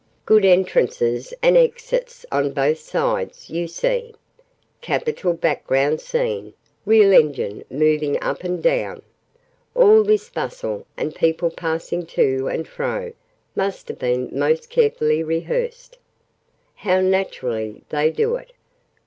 Good entrances and exits on both sides, you see. Capital background scene: real engine moving up and down. All this bustle, and people passing to and fro, must have been most carefully rehearsed! How naturally they do it!